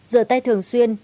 rửa tay thường xuyên